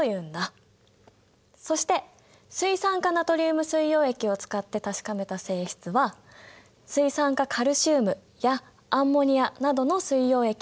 そして水酸化ナトリウム水溶液を使って確かめた性質は水酸化カルシウムやアンモニアなどの水溶液に共通の性質。